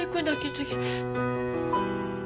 次。